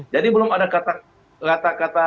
jadi belum ada kata kata